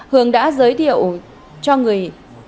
hương đã giới thiệu cho người